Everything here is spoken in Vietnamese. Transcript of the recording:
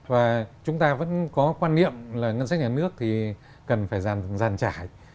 và chúng ta vẫn có quan niệm là ngân sách nhà nước thì cần phải giàn trải